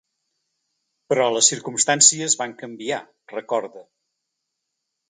Però les circumstàncies van canviar, recorda.